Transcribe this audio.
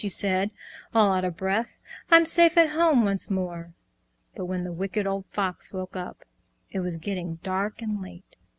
she said, all out of breath, "I'm safe at home once more!" But when the Wicked Old Fox woke up, It was getting dark and late.